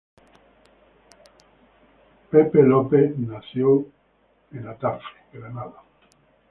Mike Mills nació en Orange County, California.